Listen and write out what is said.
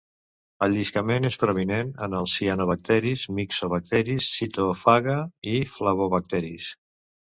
El lliscament és prominent en els cianobacteris, mixobacteris, cytophaga i flavobacteris.